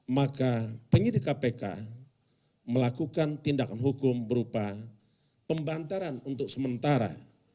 maka penyidik kpk melakukan tindakan hukum berupa pembantaran untuk sementara